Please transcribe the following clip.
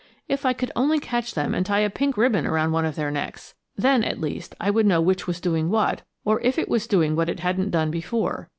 If I could only catch them and tie a pink ribbon around one of their necks! then, at least, I would know which was doing what, or if it was doing what it hadn't done before!